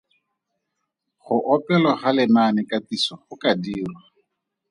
Go opelwa ga lenaanekatiso go ka dirwa.